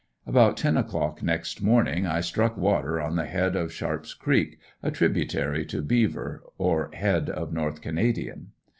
About ten o'clock next morning I struck water on the head of Sharp's creek, a tributary to "Beaver" or head of North Canadian.